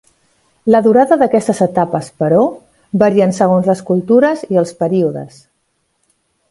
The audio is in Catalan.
La durada d'aquestes etapes, però, varien segons les cultures i els períodes.